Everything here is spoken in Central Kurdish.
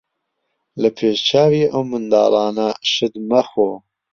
لە پێش چاوی ئەو منداڵانە شت مەخۆ.